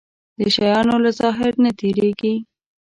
د شيانو له ظاهر نه تېرېږي.